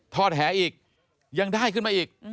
แหอีกยังได้ขึ้นมาอีก